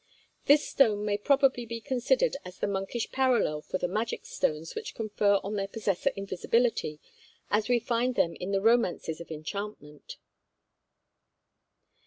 This stone may probably be considered as the monkish parallel for the magic stones which confer on their possessor invisibility, as we find them in the romances of enchantment.